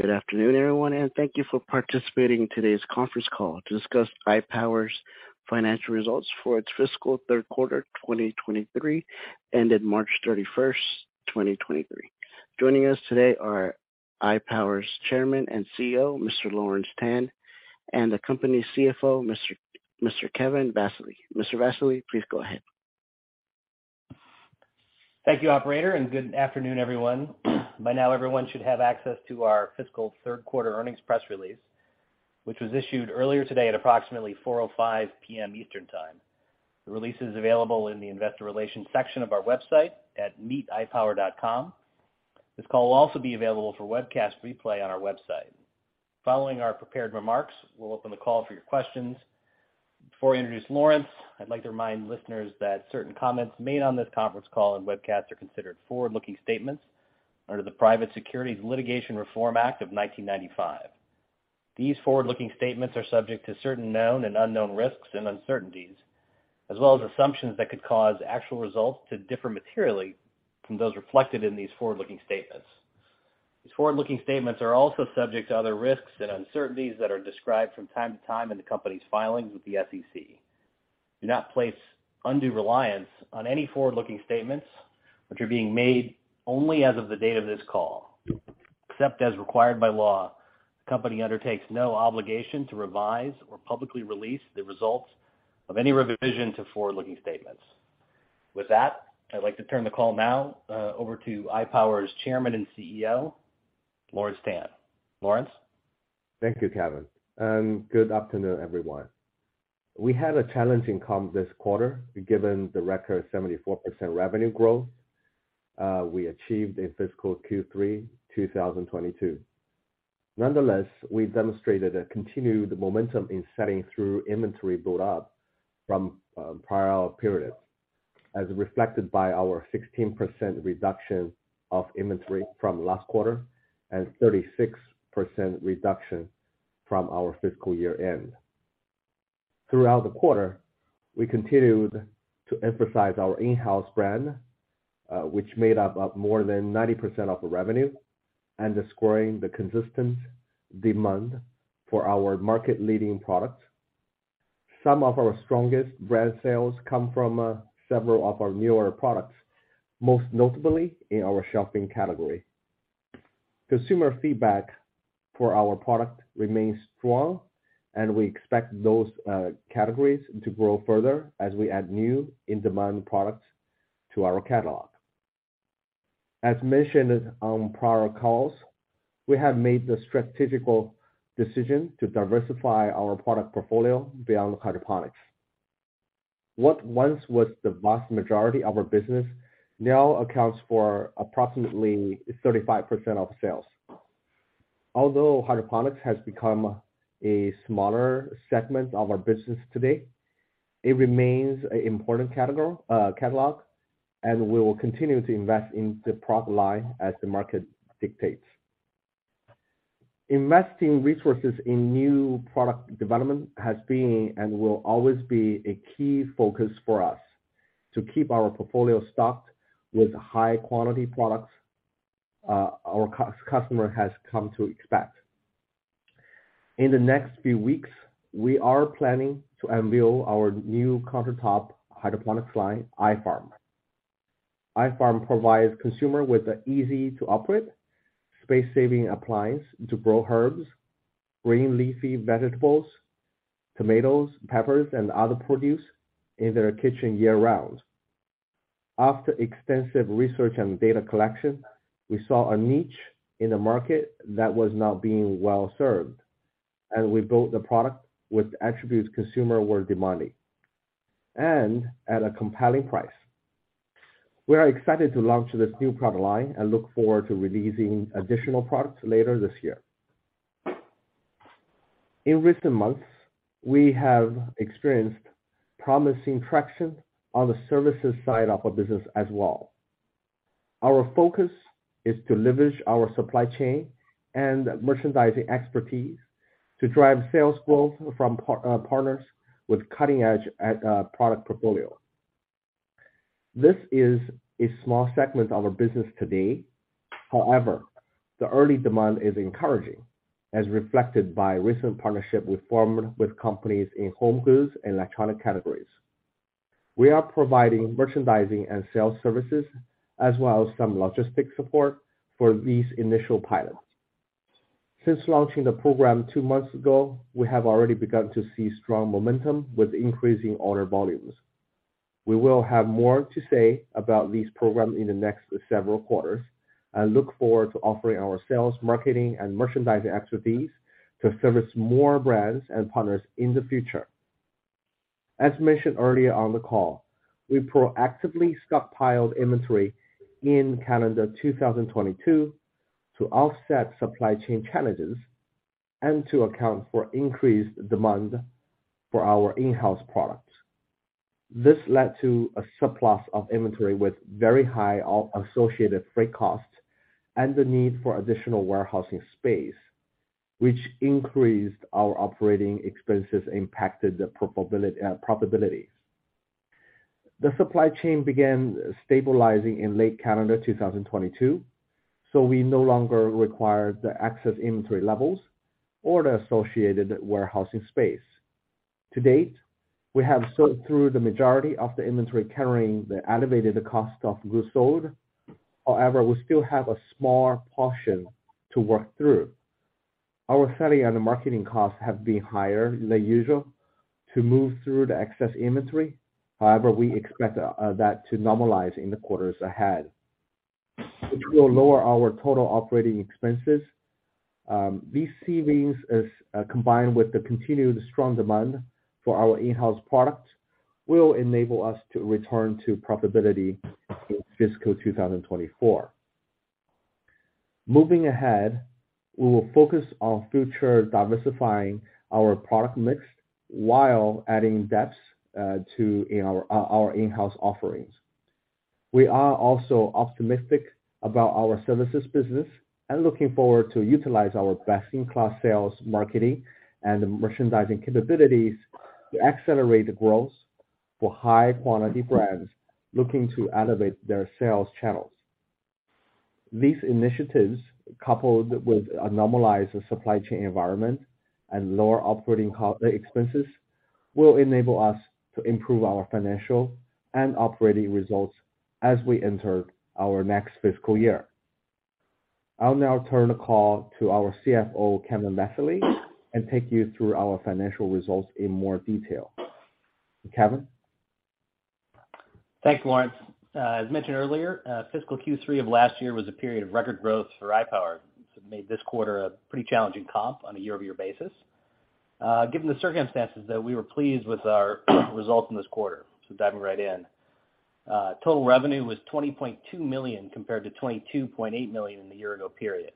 Good afternoon, everyone, and thank you for participating in today's conference call to discuss iPower's Financial Results for its Fiscal Third Quarter 2023, ended March 31, 2023. Joining us today are iPower's Chairman and CEO, Mr. Lawrence Tan, and the company's CFO, Mr. Kevin Vassalli. Mr. Vassalli, please go ahead. Thank you, operator, and good afternoon, everyone. By now, everyone should have access to our fiscal third quarter earnings press release, which was issued earlier today at approximately 4:05 P.M. Eastern Time. The release is available in the investor relations section of our website at www.meetipower.com. This call will also be available for webcast replay on our website. Following our prepared remarks, we'll open the call for your questions. Before I introduce Lawrence, I'd like to remind listeners that certain comments made on this conference call and webcast are considered forward-looking statements under the Private Securities Litigation Reform Act of 1995. These forward-looking statements are subject to certain known and unknown risks and uncertainties, as well as assumptions that could cause actual results to differ materially from those reflected in these forward-looking statements. These forward-looking statements are also subject to other risks and uncertainties that are described from time to time in the company's filings with the SEC. Do not place undue reliance on any forward-looking statements which are being made only as of the date of this call. Except as required by law, the company undertakes no obligation to revise or publicly release the results of any revision to forward-looking statements. With that, I'd like to turn the call now over to iPower's Chairman and CEO, Lawrence Tan. Lawrence? Thank you, Kevin, and good afternoon, everyone. We had a challenging comp this quarter, given the record 74% revenue growth, we achieved in fiscal Q3 2022. Nonetheless, we demonstrated a continued momentum in setting through inventory build-up from prior periods, as reflected by our 16% reduction of inventory from last quarter and 36% reduction from our fiscal year-end. Throughout the quarter, we continued to emphasize our in-house brand, which made up of more than 90% of the revenue and is growing the consistent demand for our market-leading products. Some of our strongest brand sales come from several of our newer products, most notably in our shopping category. Consumer feedback for our product remains strong, and we expect those categories to grow further as we add new in-demand products to our catalog. As mentioned on prior calls, we have made the strategic decision to diversify our product portfolio beyond hydroponics. What once was the vast majority of our business now accounts for approximately 35% of sales. Although hydroponics has become a smaller segment of our business today, it remains an important catalog, and we will continue to invest in the product line as the market dictates. Investing resources in new product development has been and will always be a key focus for us to keep our portfolio stocked with high quality products, our customer has come to expect. In the next few weeks, we are planning to unveil our new countertop hydroponics line, iFarm. iFarm provides consumer with an easy-to-operate, space-saving appliance to grow herbs, green leafy vegetables, tomatoes, peppers, and other produce in their kitchen year-round. After extensive research and data collection, we saw a niche in the market that was not being well served, and we built the product with attributes consumers were demanding, and at a compelling price. We are excited to launch this new product line and look forward to releasing additional products later this year. In recent months, we have experienced promising traction on the services side of our business as well. Our focus is to leverage our supply chain and merchandising expertise to drive sales growth from partners with cutting-edge product portfolio. This is a small segment of our business today. The early demand is encouraging, as reflected by recent partnership we formed with companies in home goods and electronic categories. We are providing merchandising and sales services as well as some logistics support for these initial pilots. Since launching the program two months ago, we have already begun to see strong momentum with increasing order volumes. We will have more to say about these programs in the next several quarters and look forward to offering our sales, marketing, and merchandising expertise to service more brands and partners in the future. As mentioned earlier on the call, we proactively stockpiled inventory in calendar 2022 to offset supply chain challenges and to account for increased demand for our in-house products. This led to a surplus of inventory with very high as-associated freight costs and the need for additional warehousing space, which increased our operating expenses, impacted the profitability. The supply chain began stabilizing in late calendar 2022, we no longer require the excess inventory levels or the associated warehousing space. To date, we have sold through the majority of the inventory carrying the elevated cost of goods sold. However, we still have a small portion to work through. Our selling and marketing costs have been higher than usual to move through the excess inventory. However, we expect that to normalize in the quarters ahead, which will lower our total operating expenses. These savings is combined with the continued strong demand for our in-house products will enable us to return to profitability in fiscal 2024. Moving ahead, we will focus on future diversifying our product mix while adding depth to our in-house offerings. We are also optimistic about our services business and looking forward to utilize our best-in-class sales, marketing, and merchandising capabilities to accelerate the growth for high quality brands looking to elevate their sales channels. These initiatives, coupled with a normalized supply chain environment and lower operating expenses, will enable us to improve our financial and operating results as we enter our next fiscal year. I'll now turn the call to our CFO, Kevin Vassalli, and take you through our financial results in more detail. Kevin? Thanks, Lawrence. As mentioned earlier, fiscal Q3 of last year was a period of record growth for iPower, so it made this quarter a pretty challenging comp on a year-over-year basis. Given the circumstances, though, we were pleased with our results in this quarter. Diving right in. Total revenue was $20.2 million compared to $22.8 million in the year ago period.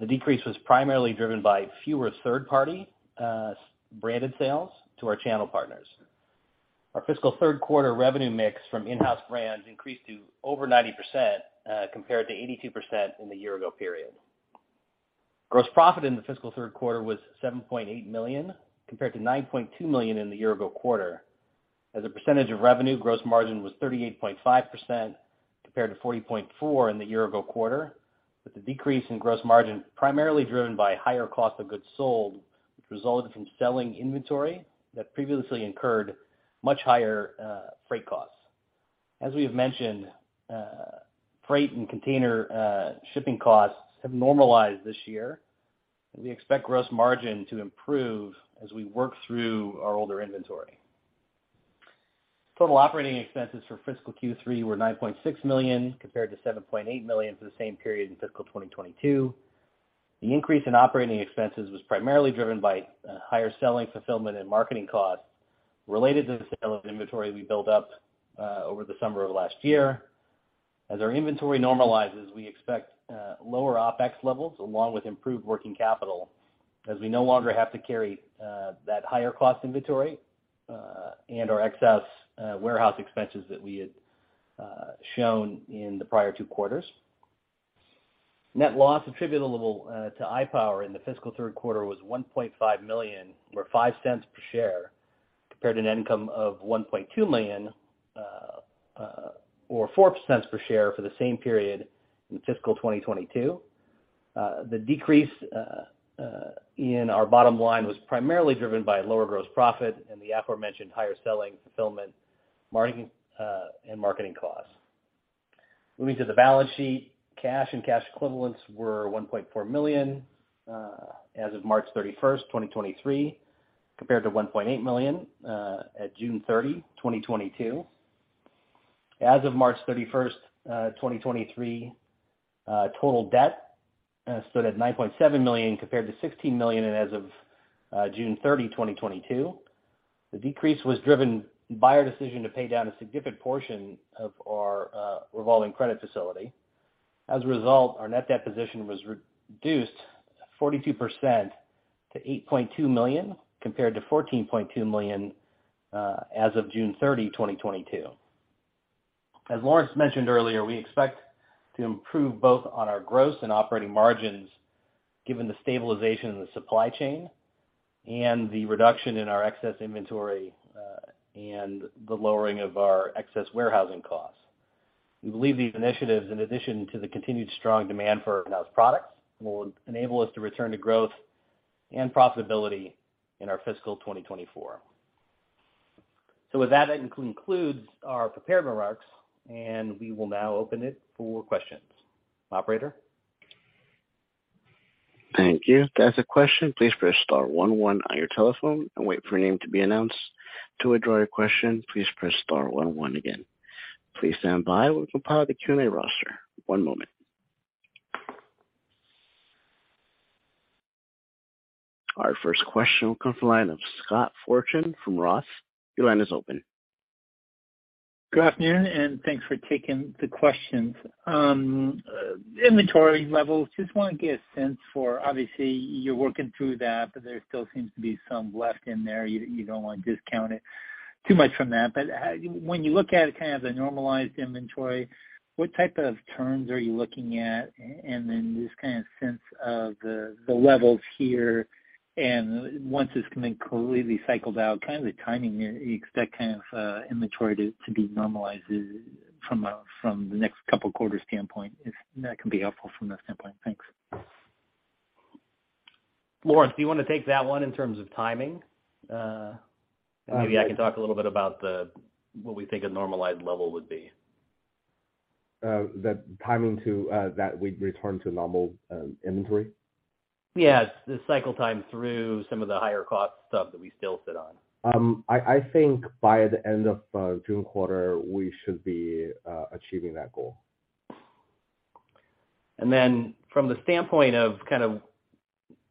The decrease was primarily driven by fewer third party branded sales to our channel partners. Our fiscal third quarter revenue mix from in-house brands increased to over 90%, compared to 82% in the year ago period. Gross profit in the fiscal third quarter was $7.8 million, compared to $9.2 million in the year ago quarter. As a percentage of revenue, gross margin was 38.5% compared to 40.4% in the year ago quarter, with the decrease in gross margin primarily driven by higher cost of goods sold, which resulted from selling inventory that previously incurred much higher freight costs. As we have mentioned, freight and container shipping costs have normalized this year, and we expect gross margin to improve as we work through our older inventory. Total operating expenses for fiscal Q3 were $9.6 million compared to $7.8 million for the same period in fiscal 2022. The increase in operating expenses was primarily driven by higher selling, fulfillment, and marketing costs related to the sale of inventory we built up over the summer of last year. As our inventory normalizes, we expect lower OpEx levels along with improved working capital as we no longer have to carry that higher cost inventory and our excess warehouse expenses that we had shown in the prior two quarters. Net loss attributable to iPower in the fiscal third quarter was $1.5 million, or $0.05 per share, compared to net income of $1.2 million, or $0.04 per share for the same period in fiscal 2022. The decrease in our bottom line was primarily driven by lower gross profit and the aforementioned higher selling, fulfillment, marketing, and marketing costs. Moving to the balance sheet, cash and cash equivalents were $1.4 million as of March 31, 2023, compared to $1.8 million at June 30, 2022. As of March 31st, 2023, total debt stood at $9.7 million compared to $16 million as of June 30, 2022. The decrease was driven by our decision to pay down a significant portion of our revolving credit facility. As a result, our net debt position was reduced 42% to $8.2 million, compared to $14.2 million as of June 30, 2022. As Lawrence mentioned earlier, we expect to improve both on our gross and operating margins given the stabilization in the supply chain and the reduction in our excess inventory and the lowering of our excess warehousing costs. We believe these initiatives, in addition to the continued strong demand for our in-house products, will enable us to return to growth and profitability in our fiscal 2024. With that concludes our prepared remarks, and we will now open it for questions. Operator? Thank you. To ask a question, please press star one one on your telephone and wait for your name to be announced. To withdraw your question, please press star one one again. Please stand by while we compile the Q&A roster. One moment. Our first question will come from the line of Scott Fortune from ROTH MKM. Your line is open. Good afternoon, and thanks for taking the questions. Inventory levels, just wanna get a sense for, obviously you're working through that, but there still seems to be some left in there. You don't wanna discount it. Too much from that, but, when you look at kind of the normalized inventory, what type of terms are you looking at? Then just kind of sense of the levels here, and once it's been completely cycled out, kind of the timing you expect kind of, inventory to be normalized from the next couple of quarters standpoint, if that can be helpful from that standpoint. Thanks. Lawrence, do you wanna take that one in terms of timing? Maybe I can talk a little bit about what we think a normalized level would be. the timing to, that we return to normal, inventory? The cycle time through some of the higher cost stuff that we still sit on. I think by the end of June quarter, we should be achieving that goal. From the standpoint of kind of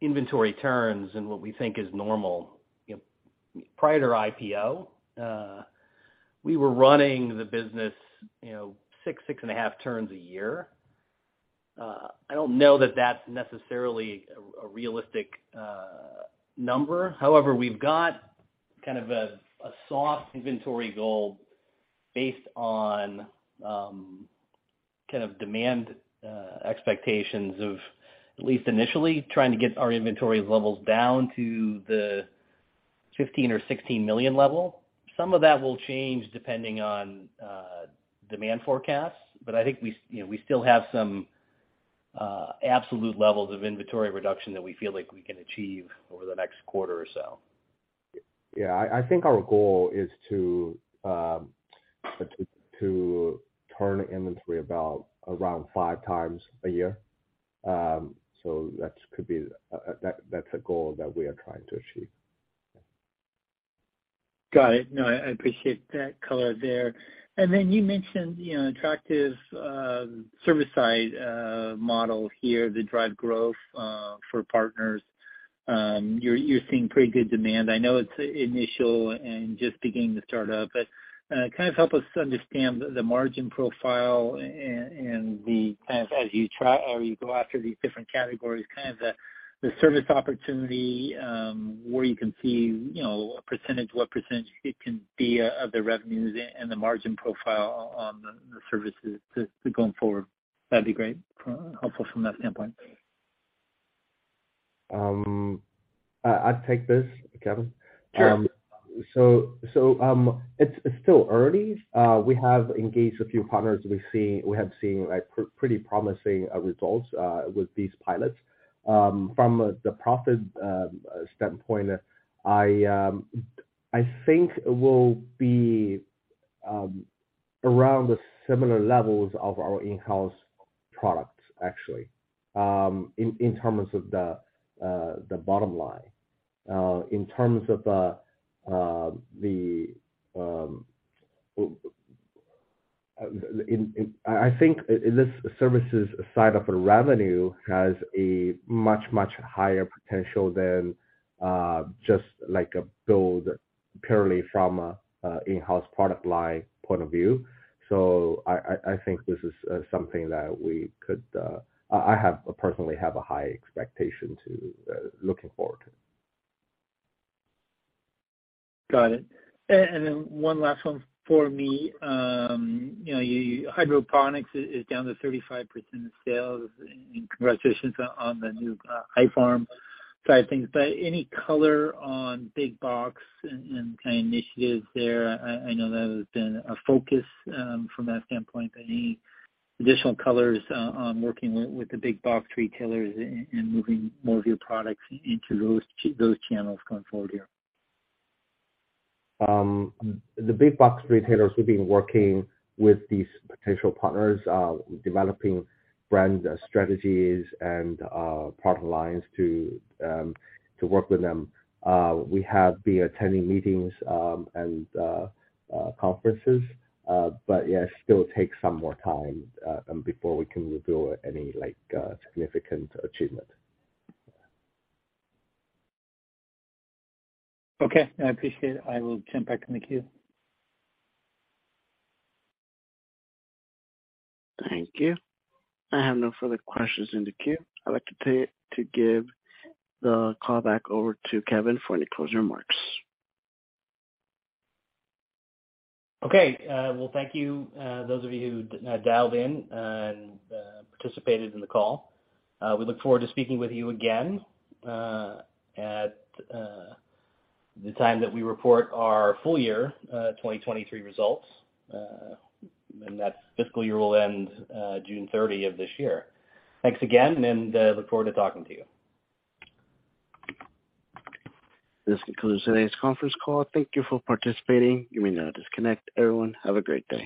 inventory turns and what we think is normal, you know, prior to IPO, we were running the business, you know, 6.5 turns a year. I don't know that that's necessarily a realistic number. However, we've got kind of a soft inventory goal based on kind of demand expectations of at least initially trying to get our inventory levels down to the $15 million or $16 million level. Some of that will change depending on demand forecasts, but I think we, you know, we still have some absolute levels of inventory reduction that we feel like we can achieve over the next quarter or so. Yeah. I think our goal is to turn inventory about around 5x a year. That could be, that's a goal that we are trying to achieve. Got it. No, I appreciate that color there. You mentioned, you know, attractive service side model here to drive growth for partners. You're seeing pretty good demand. I know it's initial and just beginning to start up, but kind of help us understand the margin profile and the kind of as you try or you go after these different categories, kind of the service opportunity, where you can see, you know, a percentage, what percentage it can be of the revenues and the margin profile on the services going forward. That'd be great, helpful from that standpoint. I take this, Kevin. Sure. It's still early. We have engaged a few partners. We have seen like pretty promising results with these pilots. From the profit standpoint, I think it will be around the similar levels of our in-house products, actually, in terms of the bottom line. I think this services side of the revenue has a much higher potential than just like a build purely from a in-house product line point of view. I think this is something that we could I personally have a high expectation to looking forward to. Got it. Then one last one for me. you know, hydroponics is down to 35% of sales, and congratulations on the new, iFarm side of things. Any color on big box and kind of initiatives there? I know that has been a focus, from that standpoint, but any additional colors, on working with the big box retailers and moving more of your products into those channels going forward here? The big box retailers, we've been working with these potential partners, developing brand strategies and product lines to work with them. We have been attending meetings and conferences. Yeah, it still takes some more time before we can reveal any, like, significant achievement. Okay. I appreciate it. I will jump back in the queue. Thank you. I have no further questions in the queue. I'd like to give the call back over to Kevin for any closing remarks. Okay. Well, thank you, those of you who dialed in and participated in the call. We look forward to speaking with you again at the time that we report our full year 2023 results, and that fiscal year will end June 30 of this year. Thanks again. I look forward to talking to you. This concludes today's conference call. Thank you for participating. You may now disconnect. Everyone, have a great day.